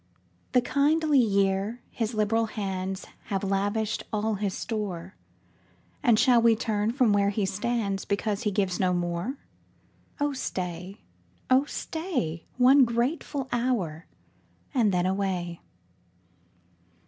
36 POEMS. The kindly year, his liberal hands Have lavished all his store. And shall we turn from where he stands, Because he gives no more? Oh stay, oh stay, One grateful hotir, and then away.